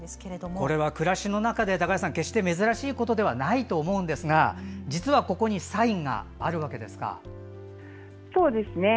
これは暮らしの中で決して珍しいことじゃないですが実はここにサインがあるわけですか。